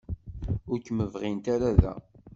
Ur kem-bɣint ara da.